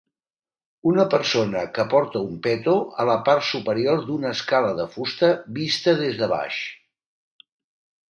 Una persona que porta un peto a la part superior d'una escala de fusta vista des de baix.